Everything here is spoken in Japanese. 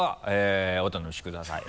お楽しみください。